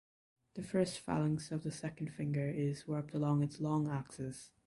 The first phalanx of the second finger is warped around its long axis.